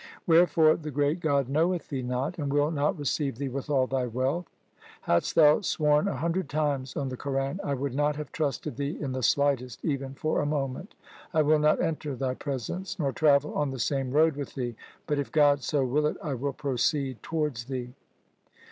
Wherefore the great God knoweth thee not, and will not receive thee with all thy wealth. Hadst thou sworn a hundred times on the Quran, I would not have trusted thee in the slightest even for a moment. I will not enter thy presence, nor travel on the same road with thee, but, if God so will it, I will proceed towards thee.